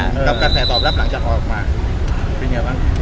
กับการแสดงตอบรับหลังจากออกมาเป็นอย่างไรบ้าง